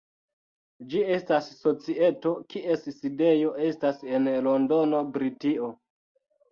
Ĝi estas societo kies sidejo estas en Londono, Britio.